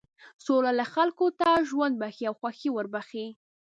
سوله خلکو ته ژوند بښي او خوښي وربښي.